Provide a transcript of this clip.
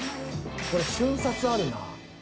これ瞬殺あるな。